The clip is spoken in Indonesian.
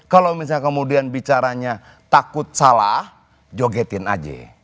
kalau misalnya kemudian bicaranya takut salah jogetin aja